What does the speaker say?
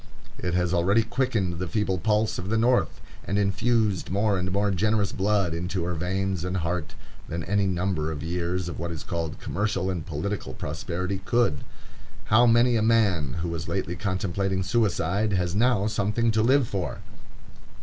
It has already quickened the feeble pulse of the North, and infused more and more generous blood into her veins and heart, than any number of years of what is called commercial and political prosperity could. How many a man who was lately contemplating suicide has now something to live for!